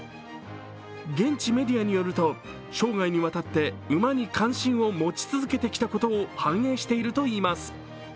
現地メディアによると生涯にわたって馬に関心を持ち続けてきたことを反映しているといいます。